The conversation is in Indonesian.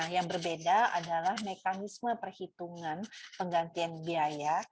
yang berbeda adalah mekanisme perhitungan penggantian biaya